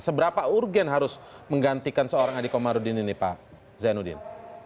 seberapa urgen harus menggantikan seorang adik komarudin ini pak zainuddin